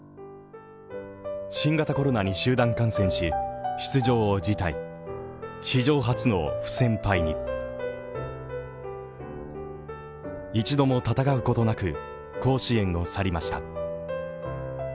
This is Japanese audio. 新型コロナに集団感染し、出場辞退史上初の不戦敗に一度も戦うことなく、甲子園を去りました。